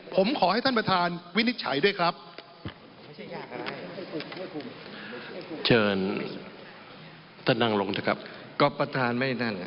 ผมขอให้ท่านประธานวินิจฉัยด้วยครับ